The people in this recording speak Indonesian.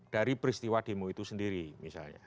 dari peristiwa demo itu sendiri misalnya